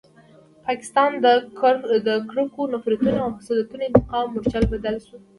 پاکستان د کرکو، نفرتونو او حسادتونو انتقامي مورچل بدل شو.